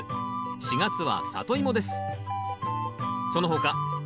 ４月は「サトイモ」です。